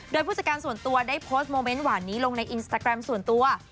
โดยผู้จัดการส่วนตัวได้โพสต์โมเมนต์หวานนี้ลงในอินสตาแกรมส่วนตัว